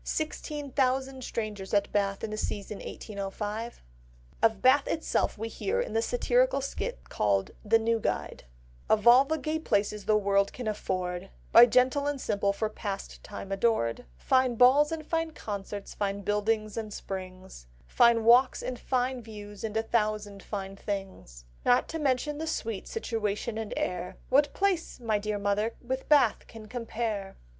Sixteen thousand strangers at Bath in the season 1805!" Of Bath itself we hear in the satirical skit called The New Guide— "Of all the gay places the world can afford, By gentle and simple for pastime adored, Fine balls, and fine concerts, fine buildings and springs, Fine walks and fine views and a thousand fine things, Not to mention the sweet situation and air, What place, my dear mother, with Bath can compare?"